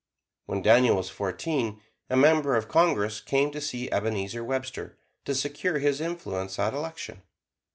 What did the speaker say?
When Daniel was fourteen, a member of Congress came to see Ebenezer Webster, to secure his influence at election.